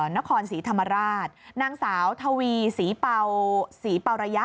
นครศรีธรรมราชนางสาวทวีศรีเป่าระยะ